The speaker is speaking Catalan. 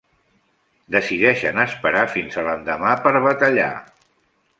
Decideixen esperar fins a l'endemà per batallar.